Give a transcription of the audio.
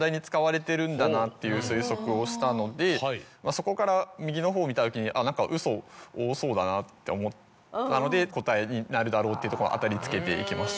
そこから右のほうを見たときに。って思ったので答えになるだろうっていうところ当たりつけていきました。